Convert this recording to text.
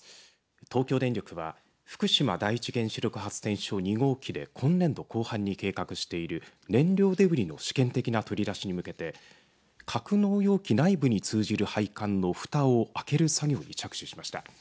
東京電力は福島第一原子力発電所２号機で今年度後半に計画している燃料デブリの試験的な取り出しに向けて、格納容器内部に通じる配管のふたを開ける作業に着手しました。